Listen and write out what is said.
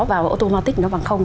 vào automatic nó bằng không